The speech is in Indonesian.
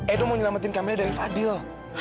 edo mau nyelamatin kami dari fadil